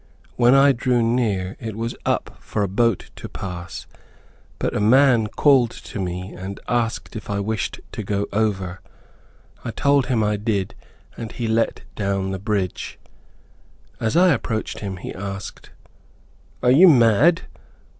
When I drew near it was up for a boat to pass; but a man called to me, and asked if I wish to go over. I told him I did, and he let down the bridge. As I approached him he asked, "Are you mad?